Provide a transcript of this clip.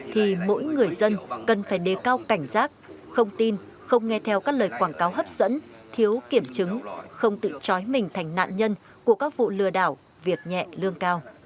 thì mỗi người dân cần phải đề cao cảnh giác không tin không nghe theo các lời quảng cáo hấp dẫn thiếu kiểm chứng không tự chói mình thành nạn nhân của các vụ lừa đảo việc nhẹ lương cao